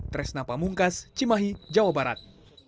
tresna pamungkas cimahi jawa barat